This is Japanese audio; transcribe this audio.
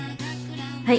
はい。